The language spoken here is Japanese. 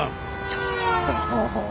ちょっと！